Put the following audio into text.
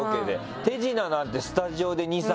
手品なんて「スタジオで２３